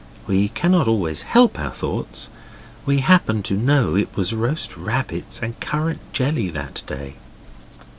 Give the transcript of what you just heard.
We cannot always help our thoughts. We happened to know it was roast rabbits and currant jelly that day.